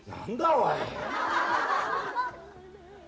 おい。